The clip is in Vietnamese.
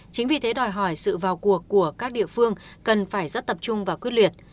chính vì thế đòi hỏi sự vào cuộc của các địa phương cần phải rất tập trung và quyết liệt